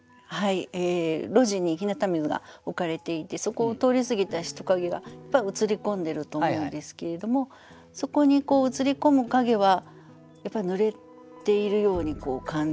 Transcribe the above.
路地に日向水が置かれていてそこを通り過ぎた人影が映り込んでると思うんですけれどもそこに映り込む影はやっぱり濡れているように感じたっていう。